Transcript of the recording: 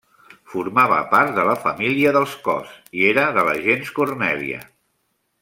Formava part de la família dels Cos, i era de la gens Cornèlia.